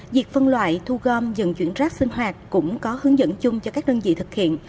việc phân loại thu gom dận chuyển rác sinh hoạt cũng có hướng dẫn chung cho các đơn vị thực hiện